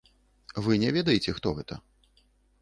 Вы не ведаеце, хто гэта?